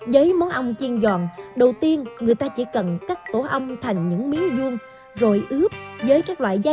với món ong chiên giòn đầu tiên người ta chỉ cần cắt tổ ong thành những miếng vuông rồi ướp với các loại gia vị